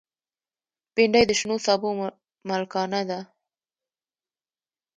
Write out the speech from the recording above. بېنډۍ د شنو سابو ملکانه ده